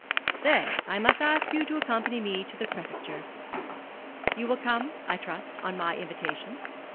"Then I must ask you to accompany me to the Prefecture. You will come, I trust, on my invitation."